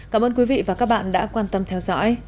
cảm ơn quý vị và các bạn đã quan tâm theo dõi